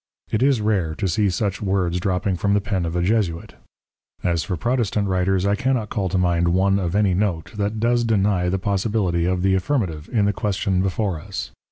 _ It is rare to see such Words dropping from the Pen of a Jesuit: As for Protestant Writers, I cannot call to mind one of any Note, that does deny the Possibility of the Affirmative, in the Question before us.